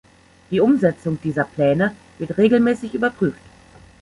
Die Umsetzung dieser Pläne wird regelmäßig überprüft.